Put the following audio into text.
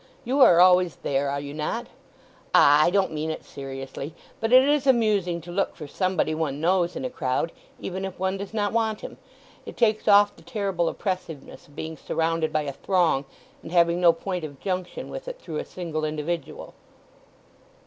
You are always there, are you not? Ah—I don't mean it seriously! But it is amusing to look for somebody one knows in a crowd, even if one does not want him. It takes off the terrible oppressiveness of being surrounded by a throng, and having no point of junction with it through a single individual."